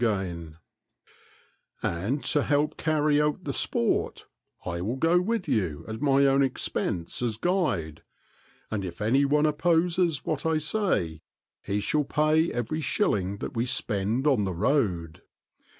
And to help carry out the sport, I will go with you (^tt^ttai^cixb^m 15 at my own expense as guide, and if any one opposes what I say, he shall pay every shilling that we spend on the road.